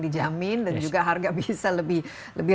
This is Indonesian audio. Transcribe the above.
dijamin dan juga harga bisa lebih